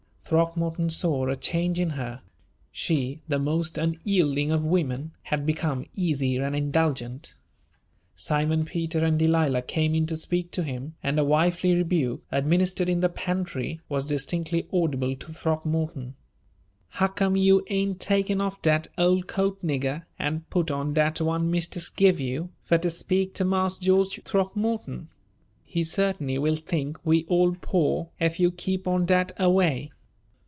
Throckmorton saw a change in her. She, the most unyielding of women, had become easy and indulgent. Simon Peter and Delilah came in to speak to him, and a wifely rebuke, administered in the pantry, was distinctly audible to Throckmorton: "Huccome you ain' taken off dat ole coat, nigger, an' put on dat one mistis give you, fur ter speak ter Marse George Throckmorton? He su't'ny will think we all's po', ef you keep on dat er way."